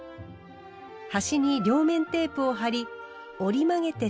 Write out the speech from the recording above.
端に両面テープを貼り折り曲げて接着。